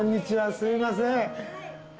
すいません。